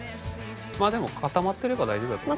まあでも固まってれば大丈夫だと。